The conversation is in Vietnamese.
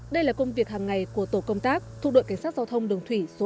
đây là công việc hàng ngày của tổ công tác thuộc đội cảnh sát giao thông đường thủy số hai